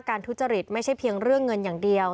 ทุจริตไม่ใช่เพียงเรื่องเงินอย่างเดียว